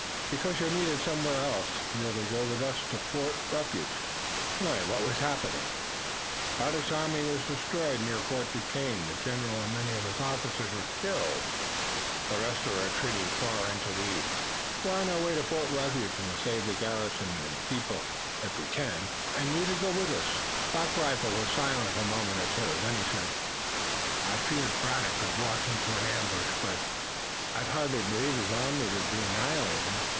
"Because you're needed somewhere else. You're to go with us to Fort Refuge." "What has happened?" "Braddock's army was destroyed near Fort Duquesne. The general and many of his officers were killed. The rest are retreating far into the east. We're on our way to Fort Refuge to save the garrison and people if we can, and you're to go with us." Black Rifle was silent a moment or two. Then he said: "I feared Braddock would walk into an ambush, but I hardly believed his army would be annihilated.